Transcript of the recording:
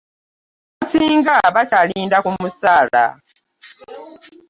Abasinga bakyalinda ku musaala.